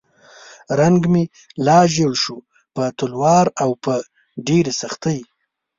رنګ مې لا ژیړ شو په تلوار او په ډېرې سختۍ.